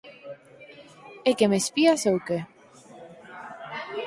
É que me espías ou que?